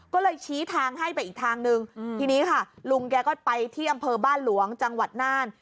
ก็เลยชี้ทางให้ไปอีกทางนึงทีนี้ค่ะลุงแกก็ไปที่อำเภอบ้านหลวงจังหวัดน่าน